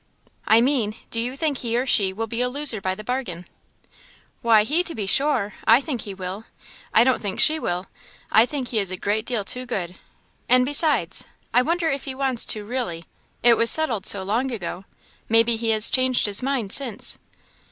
"I mean, do you think he or she will be a loser by the bargain?" "Why, he to be sure I think he will I don't think she will. I think he is a great deal too good. And, besides I wonder if he wants to, really it was settled so long ago maybe he has changed his mind since."